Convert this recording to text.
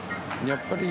やっぱり。